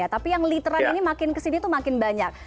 tapi yang literan ini makin kesini tuh makin banyak